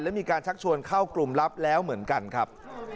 และมีการชักชวนเข้ากลุ่มลับแล้วเหมือนกันครับ